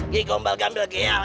gikombal gambel keal